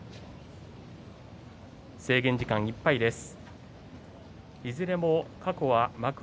制限時間いっぱいです。